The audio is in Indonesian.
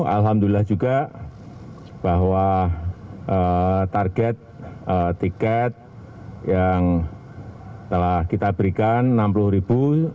alhamdulillah juga bahwa target tiket yang telah kita berikan rp enam puluh ribu